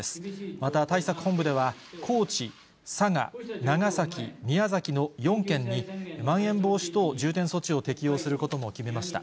また、対策本部では高知、佐賀、長崎、宮崎の４県にまん延防止等重点措置を適用することも決めました。